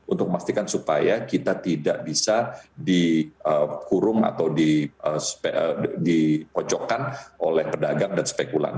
untuk memastikan supaya kita tidak bisa dikurung atau dikocokkan oleh pedagang dan spekulan